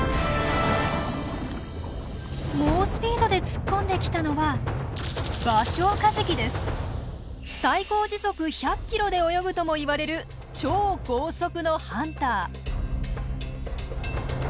猛スピードで突っ込んできたのは最高時速１００キロで泳ぐともいわれる超高速のハンター！